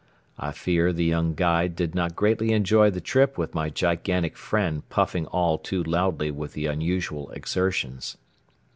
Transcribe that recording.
I fear the young guide did not greatly enjoy the trip with my gigantic friend puffing all too loudly with the unusual exertions.